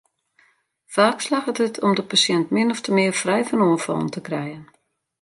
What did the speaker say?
Faak slagget it om de pasjint min ofte mear frij fan oanfallen te krijen.